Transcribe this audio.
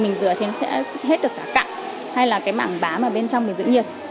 mình rửa thì nó sẽ hết được cả cặn hay là cái mảng bá mà bên trong bình giữ nhiệt